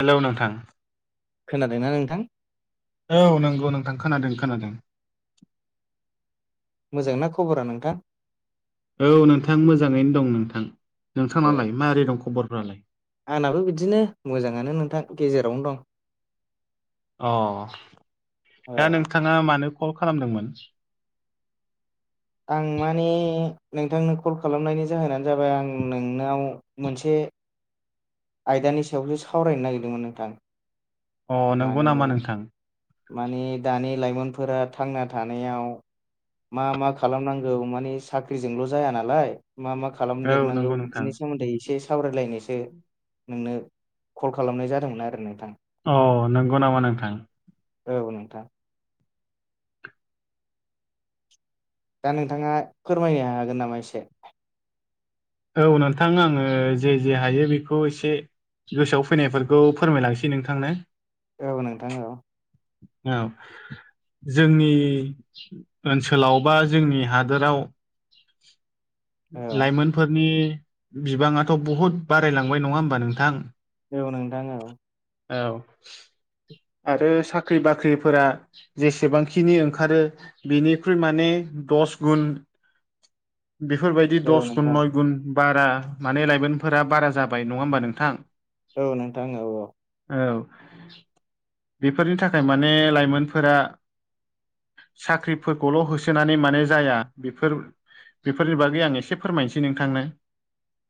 Hello नोंथां। खोनादोंना नोंथां? औ नंगौ नोंथां खोनादों खोनादों। मोजां ना खबरा नोंथां? औ नोंथां मोजाङैनो दं नोंथां, ओ नोंथाङालाय माबोरै दं खबरफ्रालाय? आंनाबो बिदिनो मोजाङानो नोंथां गेजेरावनो दं। अ दा ओ नोंथाङा मानो कल खालामदोंमोन? आं माने नोंथांनो कल खालामनायनि जाहोनानो जाबाय आं नोंनाव मोनसे आयदानि सायावसो सावरायनो नागिरदोंमोन नोंथां। अ माने नंगौ नामा नोंथां? माने दानि लाइमोनफोरा थांना थानायाव मा मा खालामनांगौ मानि साख्रिजोंल' जाया नालाय मा मा औ नंगौ खालामदेरनांगौ नोंथां बिदिनि सोमोन्दै एसे सावरायलायनोसो नोंनो कल खालामनाय जादोंमोन आरो नोंथां। अ नंगौ नामा नोंथां? औ नंगौ। दा नोंथाङा फोरमायनो हागोन नामा एसे? औ नोंथां आङो जे जे हायो बेखौ एसे गोसोआव फैनायफोरखौ फोरमायलांसै नोंथांनो। औ नोंथां औ। औ। जोंनि ओनसोलाव बा जोंनि हादोराव औ लाइमोनफोरनि बिबाङाथ' बहुद बारायलांबाय नङा होमबा नोंथां? औ नोंथां औ। औ। आरो साख्रि बाख्रिफोरा जेसेबांखिनि ओंखारो बेनिख्रुइ माने दस गुन [inaudible] बेफोरबायदि औ दस गुन नोंथां नय गुन बारा माने लाइमोनफोरा बारा जाबाय नङा होमबा नोंथां? औ नोंथां औ औ। औ बेफोरनि थाखाय माने लाइमोनफोरा साख्रिफोरखौल' होसोनानै माने जाया बेफोर बेफोरनि बागै आं एसे फोरमायनोसै नोंथांनो।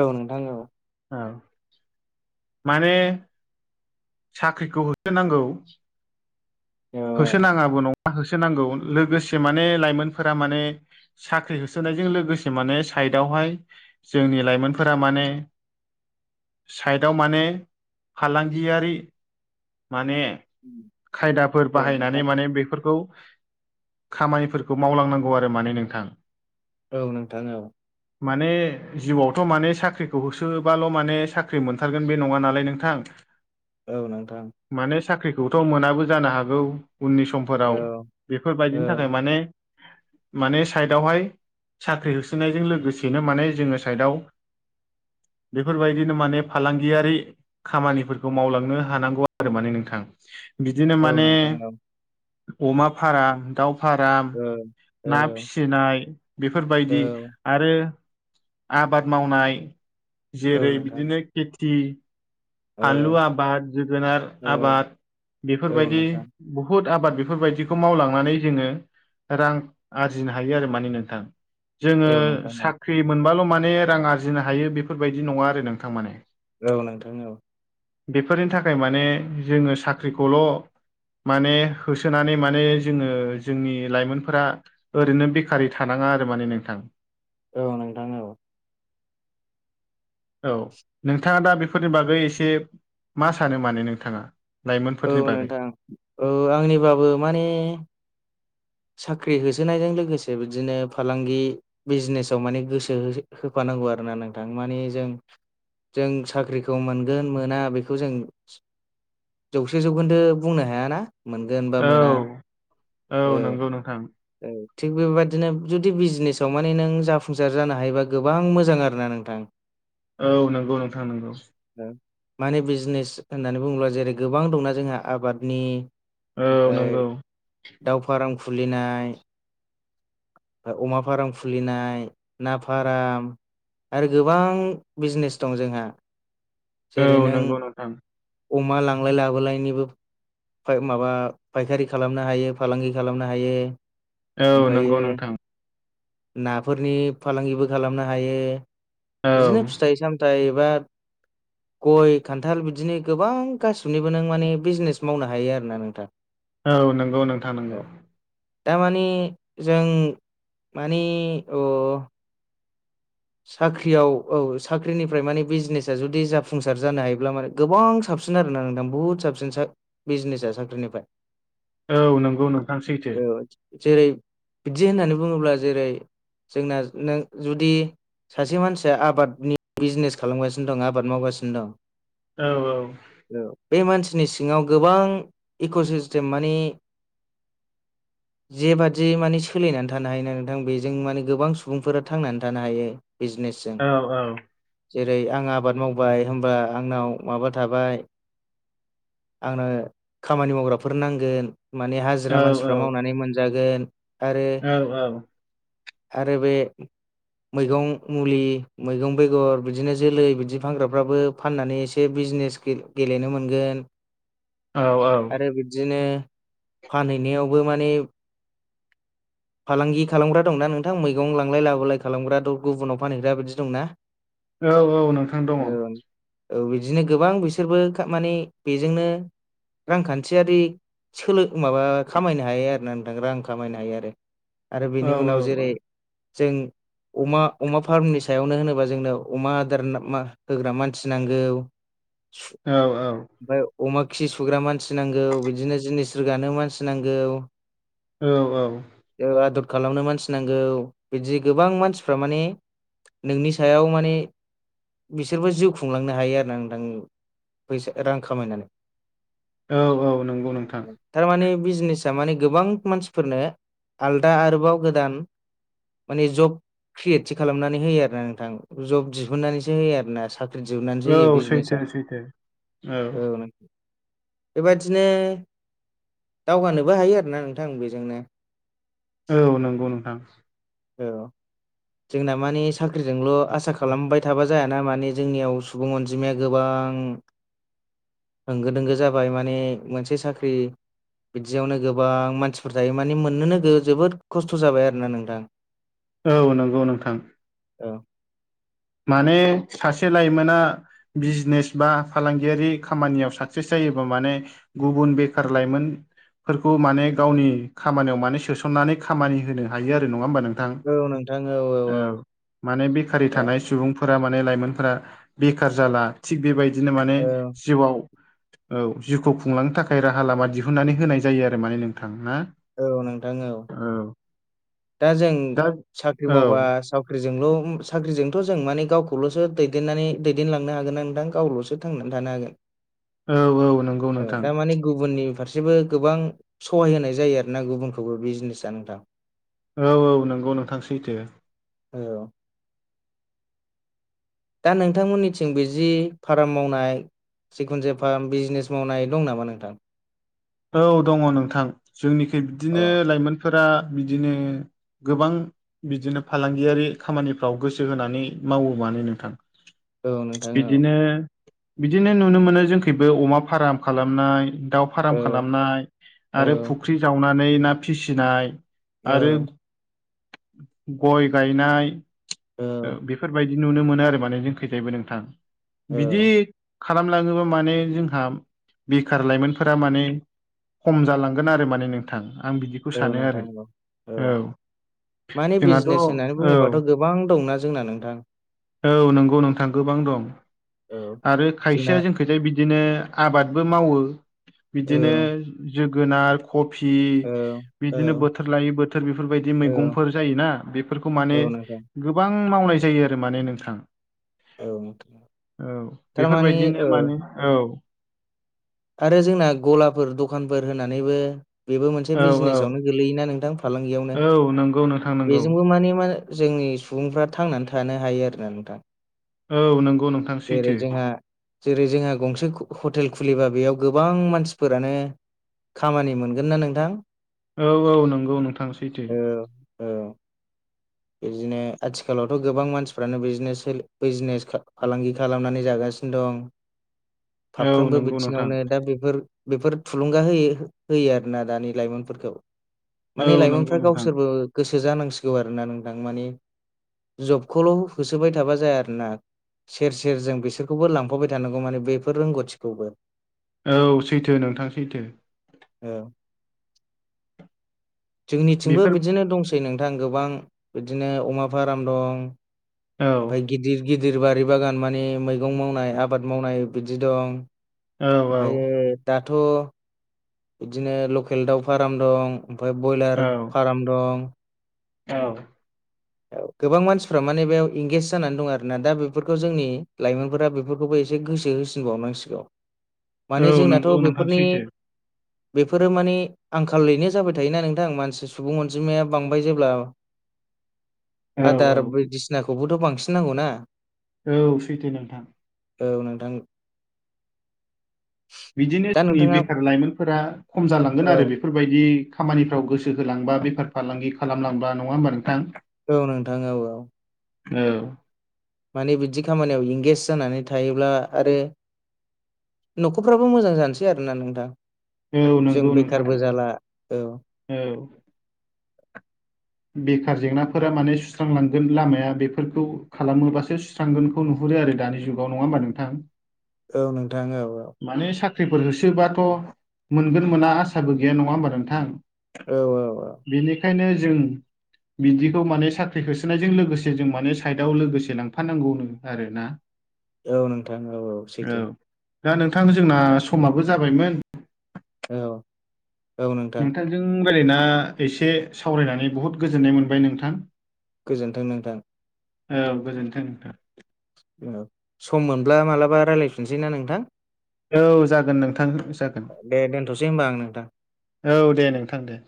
औ नोंथां औ। औ माने साख्रिखौ नांगौ औ होसोनाङाबो न' होसोनांगौ लोगोसे माने लाइमोनफोरा माने साख्रि होसोनायजों लोगोसे माने साइदावहाय जोंनि लाइमोनफोरा माने साइडआव माने फालांगियारि माने खायदाफोर औ नोंथां बाहायनानै माने बेफोरखौ खामानिफोरखौ मावलांनांगौ आरो माने नोंथां। औ नोंथां औ। माने जिउआवथ' माने साख्रिखौ होसोबाल' माने साख्रि मोनथारगोन बे नङा नालाय नोंथां। औ नोंथां। माने साख्रिखौथ' मोनाबो जानो हागौ उननि समफोराव औ औ बेफोरबायदिनि थाखाय माने माने साइदावहाय साख्रि होसोनायजों लोगोसेनो माने जोङो साइडआव बेफोरबायदिनो माने फालांगियारि खामानिफोरखौ मावलांनो हानांगौ आरो माने नोंथां बिदिनो औ माने नोंथां औ अमा फारा दाउ फार्म औ ना फिसिनाय बेफोरबायदि औ आरो आबाद मावनाय नोंथां औ जेरै नोंथां बिदिनो केटि औ फानलु आबाद जोगोनार आबाद बेफोरबायदि बुहुद आबाद बेफोरबायदिखौ मावलांनानै जोङो रां आरजिनो हायो आरो माने नोंथां। जोङो नोंथां औ नोंथां औ साख्रि मोनबाल' माने रां आरजिनो हायो बेफोरबायदि नङा आरो नोंथां माने। औ नोंथां औ बेफोरनि थाखाय माने जोङो साख्रिखौल' माने होसोनानै माने जोङो जोंनि लाइमोनफोरा ओरैनो बेकारै थानाङा आरो माने नोंथां। औ नोंथां औ औ नोंथाङा दा बेफोरनि बागै एसे मा सानो माने नोंथाङा? औ लाइमोनफोरनि बागै नोंथां औ आंनिबाबो माने साख्रि होसोनायजों लोगोसे बिदिनो फालांगि बिजनेसाव माने गोसो हो-होफानांगौ आरो ना नोंथां माने जों जों साख्रिखौ मोनगोन मोना बेखौ जों जौसे जौखोन्दो बुंनो हायाना मोनगोन बा औ मोना औ नंगौ नोंथां। औ थिग बेबायदिनो जुदि बिजनेसाव माने नों जाफुंसार जानो हायोबा गोबां मोजां आरो ना नोंथां। [inaudible] औ नोंगौ नोंथां नोंगौ। माने बिजनेस होननानै बुङोब्ला जेरै गोबां दंना जोंहा आबादनि औ ओमफाय नंगौ दाउ फार्म खुलिनाय अमा फार्म खुलिनाय ना फार्म आरो गोबां बिजनेस दं जोंहा जेरै औ नों नंगौ नोंथां अमा लांलाय लाबोलायनिबो फाय माबा फायखारि खालामनो हायो फालांगि खालामनो हायो। औ नंगौ ओमफायो नोंथां नाफोरनि फालांगिबो खालामनो हायो। औ बिदिनो फिथाइ सामथायाइ बा गय, खान्थाल बिदिनो गोबां गासिबनिबो नों माने बिजिनेस मावनो हायो आरोना नोंथां औ नोंगौ नोंथां नोंगौ। दा माने जों मानि अ साख्रियाव औ साख्रिनिफ्राय माने बिजिनेसा जुदि जाफुंसार जानो हायोब्ला माने गोबां साबसिन आरोना नोंथां बुहुत साबसिन सा बिजिनेसा साख्रिनिफ्राय औ नंगौ नोंथां सैथो औ जेरै बिदि होननानै बुङोब्ला जेरै जोंना नों जुदि सासे मानसिया आबादनि बिजिनेस खालामगासिनो दं आबाद मावगासिनो दं औ औ बे मानसिनि सिङाव गोबां इक'सिस्टेम माने [inaudible] जेबादि माने सोलिनानै थानो हायो ना नोंथां बेजों माने गोबां सुबुंफोरा थांनानै थानो हायो। बिजिनेसजों औ जेरै आं आबाद मावबाय होनबा आंनाव माबा थाबाय आंनो खामानि मावग्राफोर नांगोन माने औ हाजिरा मानसिफ्रा मावनानै मोनजागोन आरो औ आरो बे मैगं मुलि, मैगं बेगर बिदिनो जोलै बिदि फानग्राफ्राबो फाननानै एसे बिजिनेस गे गेलेनो मोनगोन औ औ आरो बिब्दिनो फानहैनायावबो माने फालांगि खालामग्रा दंना नोंथां मैगं लांलाय लाबोलाय खालामग्रा गुबुनाव फानहैग्रा बिदि दंना औ औ नोंथां दङ ओ बिदिनो गोबां बिसोरबो खा माने बेजोंनो रांखान्थियारि सोलों माबा खामायनो हायो आरोना नोंथां रां खामायनो हायो आरो आरो बेनि औ औ उनाव जेरै जों अमा अमा फार्मनि सायावनो होनोबा जोंनो अमा आदार मा होग्रा मानसि नांगौ। औ औ ओमफाय अमाखि सुग्रा मानसि नांगौ बिदिनो जिनिस रोगानो मानसि नांगौ औ औ। ओ आदद खालामनो मानसि नांगौ बिदि गोबां मानसिफ्रा माने। नोंनि सायाव माने बिसोरबो जिउ खुंलांनो हायो आरोना नोंथां फैसा रां खामायनानै। औ औ नंगौ नोंथां। थारमाने बिजिनेसा माने गोबां मानसिफोरनो आलदा आरोबाव गोदान माने जब क्रियेटसो खालामनानै होयो आरोना नोंथां जब दिहुननानैसो होयो आरोना सा ख्रि दिहुननानैसो होयो औ सैथो बिजिनेसा सैथो औ नों बेबादिनो दावगानोबो हायो आरोना नोंथां बेजोंनो औ नंगौ नोंथां औ जोंना माने साख्रिजोंल' आसा खालामबाय थाबा जायाना माने जोंनियाव सुबुं अनजिमाया गोबां। होंगो दोंगो जाबाय माने मोनसे साख्रि बिदियावनो गोबां मानसिफोर थायो माने मोननोनो जोबोद खस्थ' जाबाय आरोना नोंथां। औ नंगौ नोंथां। औ। माने सासे लाइमोना बिजनेस बा फालांगियारि खामानियाव साक्सेस जायोबा माने गुबुन बेखार लाइमोन। फोरखौ माने गावनि खामानियाव माने सोसननानै खामानि होनो हायो आरो नङा होमबा नों औ माने बेकारै औ थानाय सम। सुबुंफोरा माने लाइमोनफोरा बेखार जाला। थिग बेबायदिनो माने औ जिउआव औ जिउखौ खुंलांनो थाखाय राहा लामा दिहुननानै होनाय जायो आरो माने नोंथां ना औ नोंथां औ दा जों दा साख्रि औ मावबा। जोंल' साख्रिजोंथ' जों माने गावखौल'सो दैदेननानै दैदेनलांनो हागोन ना नोंथां गावल'सो थांनानै थानो हागोन। औ नंगौ औ नोंथां दारमाने गुबुननि फारसेबो गोबां सहाय होनाय जायो आरो। ना गुबुनखौबो बिजनेसा नोंथां। औ औ नंगौ नोंथां सैथो। औ दा नोंथांमोननिथिंबो जि फार्म मावनाय सिखुनजा फार्म बिजनेस मावनाय दं नामा नोंथां औ दङ नोंथां जोंनिखि अ बिदिनो लाइमोनफोरा बिदिनो गोबां बिदिनो फालांगियारि खामानिफ्राव गोसो होनानै मावो मानो नोंथां औ नोंथां औ बिदिनो बिदिनो नुनो मोनो जोंखोबो अमा फार्म खालामनाय दाउ फा औ खालामनाय औ आरो फुख्रि जावनानै ना फिसिनाय आरो औ गय गायनाय औ बेफोरबायदि नुनो मोनो आरो माने जोंखैजायबो नोंथां औ बिदि। खालामलाङोबा माने जोंहा बेखार लाइमोनफोरा माने खम जालांगोन आरो माने नोंथां आं बिदि बेखौ औ सानो नोंथां आरो औ औ माने जोंहाथ' बिजनेस होननानै औ बुङोबाथ' गोबां दंना जोंना नोंथां। औ नंगौ नोंथां गोबां दं औ आरो जोंना खायसेया जों खैथाय बिदिनो आबादबो मावो औ बिदिनो जोगोनार कफि औ औ बिदिनो बोथोर लायै बोथोर बेफोरबायदि औ मैगंफोर जायोना बेफोरखौ माने। औ नोंथां गोबां मावनाय जायो आरो माने नोंथां औ नोंथां औ थारमाने बेफोरबायदिनो औ माने औ आरो जोंना गलाफोर दखानफोर होनानैबो। बेबो मोनसे औ औ बिजनेसावनो गोलैयोना नोंथां फालांगियावनो औ नंगौ नोंथां नंगौ बेजोंबो माने मा जोंनि सुबुंफ्रा थांनानै थानो हायो आरोना नोंथां। औ नंगौ नों जेरै जोंहा जेरै जोंहा गंसे हटेल खुलिब्ला बेयाव गोबां मानसिफोरानो खामानि मोनगोन ना नोंथां औ औ नंगौ नोंथां सैथो। औ औ। बिदिनो आथिखालावथ' गोबां मानसिफ्रानो बिजनेस फालांगि खालामनानै जागासिनो दं औ फाफ्रोमबो नंगौ नोंथां बिथिङावनो दा बेफोर बेफोर थुलुंगा होयो होयो आरोना दानि लाइमोनफोरखौ। माने औ नंगौ लाइमोनफ्रा नोंथां गावसोरबो गोसो जानांसिगौ आरोना नोंथां माने। जबखौल' होसोबाय थाबा जाया आरो ना। सेर सेर जों बिसोरखौबो लांफाबाय थानांगौ माने बेफोर रोंगौथिखौबो औ सैथो नोंथां सैथो। औ जोंनिथिंबो बेफोर बिदिनो दंस सै नोंथां गोबां बिदिनो अमा फार्म दं। औ। ओमफाय गिदिर गिदिर बारि बागान मानि मैगं मावनाय आबाद मावनाय बिदि दं। औ ओमफायो दाथ'। बिदिनो लकेल दाउ फार्म दं ओमफ्राय औ बयलार फार्म दं। औ गोबां मानसिफ्रा माने बेयाव इंगेज जानानै दं आरो ना दा बेफोरखौ जोंनि लाइमोनफोरा बे। खौबो एसे गोसो होसिनबावनांसिगौ मानि औ जोंनाथ' नंगौ नोंथां बेफोरनि सैथो बेफोरो माने आंखालैनो जाबाय थायोना नोंथां मानसि सुबुं अनजिमाया बांबाय जेब्ला औ आदार बायदिसिनाखौबोथ' बांसिन नांगौना। औ सैथो नोंथां। औ नोंथां। बिदिनो दा जोंनि नोंथाङा बेखार लाइमोनफोरा खम जालांगोन आरो बेफो औ बेफोरबायदि खामानिफ्राव गोसो होलांबा बेफार फालांगि खालामलांबा नङा होमबा नोंथां? औ नोंथां औ औ। औ। माने बिदि खामानियाव इंगेज जानानै थायोब्ला आरो। न'खरफ्राबो मोजां जानोसै आरोना नोंथां औ जों नंगौ नोंथां बेखारबो औ जाला औ। औ। बेखार जेंनाफोरा माने सुस्रांलांगोन लामाया बेफोरखौ खालामोबासो सु स्रांगोनखौ नुहुरो आरो दानि जुगावङा होमबा नोंथां औ नोंथां औ औ। माने साख्रिफोर होसोबाथ' मोनगोन मोना आससाबो गैया नङा होमबा नोंथां। औ औ बिनिखायनो जों बिदिखौ माने साख्रि होसोनायजों लोगोसे जों माने साइदआव लोगोसे लांफानांगौनो आरो ना। औ नोंथां औ औ सैथो। दा नोंथां जोंना समाबो जाबायमोन। औ। औ नोंथां नोंथांजों राय्लायना एसे सावरायनानै बहुद गोजोननाय मोनबाय नोंथां। गोजोन्थों नोंथां। औ गोजोन्थों नोंथां। सम मोनब्ला मालाबा रायज्लायफिनोसै ना नोंथां। औ जागोन नोंथां जागोन। दे दोनथ'सै होमबा आं नोंथां औ दे नोंथां दे।